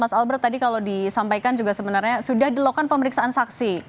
mas albert tadi kalau disampaikan juga sebenarnya sudah dilakukan pemeriksaan saksi